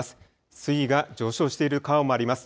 水位が上昇している川もあります。